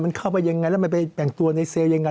มันเข้าไปยังไงแล้วมันไปแต่งตัวในเซลล์ยังไง